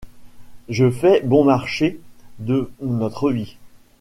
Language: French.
Je fais bon marché de notre vie!